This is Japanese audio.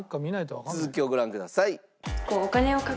続きをご覧ください。